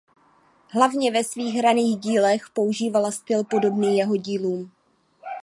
Hlavně ve svých raných dílech používala styl podobný jeho dílům.